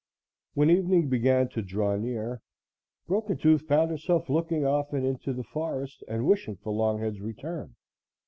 When evening began to draw near, Broken Tooth found herself looking often into the forest and wishing for Longhead's return.